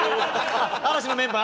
嵐のメンバー？